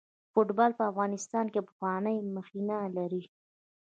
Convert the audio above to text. فوټبال په افغانستان کې پخوانۍ مخینه لري.